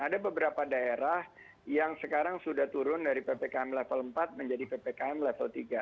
ada beberapa daerah yang sekarang sudah turun dari ppkm level empat menjadi ppkm level tiga